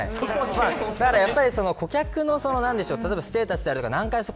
ただ、顧客のステータスであるとか何回